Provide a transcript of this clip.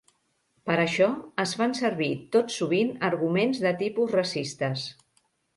Per això, es fan servir tot sovint arguments de tipus racistes.